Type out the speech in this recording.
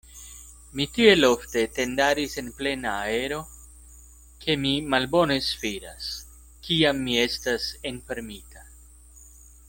Mi tiel ofte tendaris en plena aero, ke mi malbone spiras, kiam mi estas enfermita.